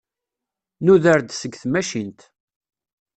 Nuder-d seg tmacint.